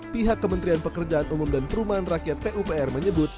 pihak kementerian pekerjaan umum dan perumahan rakyat pupr menyebut